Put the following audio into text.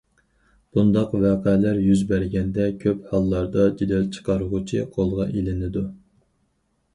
بۇنداق ۋەقەلەر يۈز بەرگەندە كۆپ ھاللاردا جېدەل چىقارغۇچى قولغا ئېلىنىدۇ.